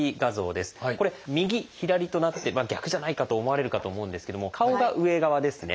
これ「右」「左」となって逆じゃないかと思われるかと思うんですけれども顔が上側ですね。